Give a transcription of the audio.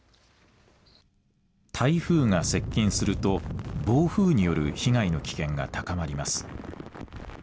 台風が接近すると暴風による被害の危険が高まります。